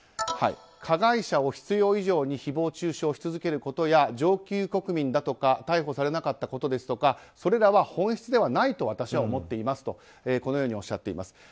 加害者を必要以上に誹謗中傷し続けることや上級国民だとか逮捕されなかったことですとかそれらは本質ではないと私は思っていますとこのようにおっしゃっています。